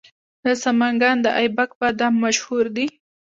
د سمنګان د ایبک بادام مشهور دي.